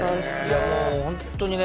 もうホントにね